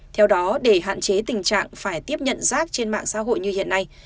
theo đó để hạn chế tình trạng phải tiếp nhận rác trên mạng xã hội như hiện nay